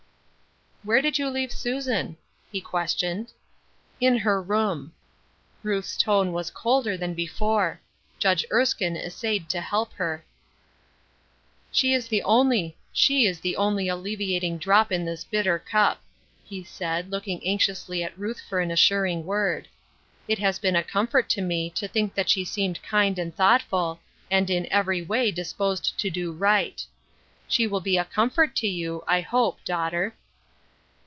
" Where did you leave Susan ?" he ques tioned. " In her room." Ruth's tone was colder than before. Judge Erskine essaved to help her Her Cross Seems Heavy, 19 " She is the only alleviating drop in this bitter cup," he said, looking anxiously at Ruth 'or an assuring word. " It has been a comfort to me to think that she seemed kind and thoughtful, and in every way disposed to do right. She will be a comfort to you, I hope, daughter."